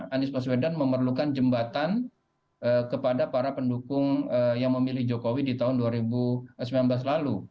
anies baswedan memerlukan jembatan kepada para pendukung yang memilih jokowi di tahun dua ribu sembilan belas lalu